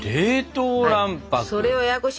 それややこしいよ。